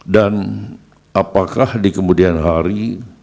dan apakah di kemudian hari